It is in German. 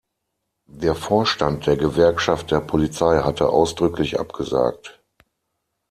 Der Vorstand der Gewerkschaft der Polizei hatte ausdrücklich abgesagt.